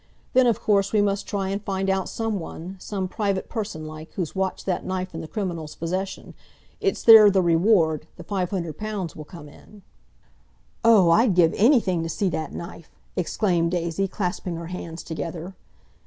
Then, of course, we must try and find out someone—some private person like, who's watched that knife in the criminal's possession. It's there the reward—the five hundred pounds will come in." "Oh, I'd give anything to see that knife!" exclaimed Daisy, clasping her hands together.